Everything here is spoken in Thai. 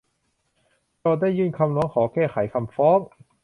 โจทก์ได้ยื่นคำร้องขอแก้ไขคำฟ้อง